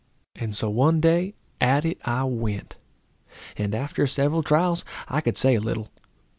And so one day at it I went, and after several trials I could say a little.